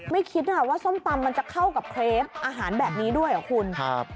ไม่คิดว่าส้มตำมันจะเข้ากับเครปอาหารแบบนี้ด้วยเหรอคุณ